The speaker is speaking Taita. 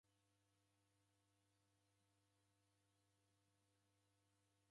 W'amu w'elegha kuandikisha simu raw'o.